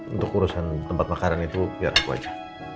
untuk urusan tempat makanan itu biar aku aja